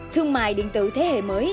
thương mại điện tử thế hệ mới